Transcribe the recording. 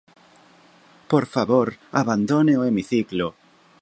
Por favor, abandone o hemiciclo.